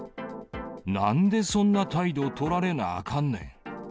なんでそんな態度取られなあかんねん。